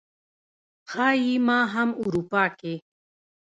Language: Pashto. ښايي ما هم اروپا کې